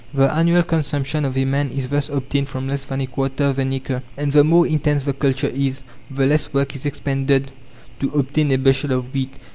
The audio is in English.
The annual consumption of a man is thus obtained from less than a quarter of an acre. And the more intense the culture is, the less work is expended to obtain a bushel of wheat.